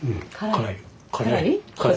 辛い？